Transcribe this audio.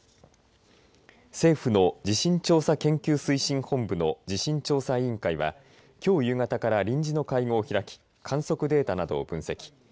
政府の地震調査研究推進本部の地震調査委員会はきょう夕方から臨時の会合を開き観測データなどを分析。